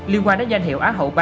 liên quan đến danh hiệu á hậu ba